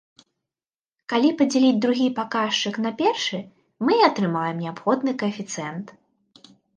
Калі падзяліць другі паказчык на першы, мы і атрымаем неабходны каэфіцыент.